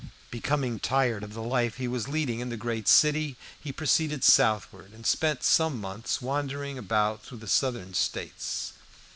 Becoming tired of the life he was leading in the great city, he proceeded southward, and spent some months wandering about through the Southern States.